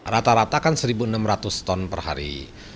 rata rata kan satu enam ratus ton per hari